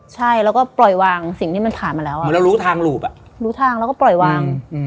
ใช่แล้วก็ปล่อยวางสิ่งที่มันผ่านมาแล้วเหมือนเรารู้ทางหลูบอ่ะรู้ทางแล้วก็ปล่อยวาง